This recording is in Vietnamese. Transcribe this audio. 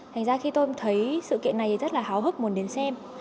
thành ra khi tôi thấy sự kiện này rất là háo hức muốn đến xem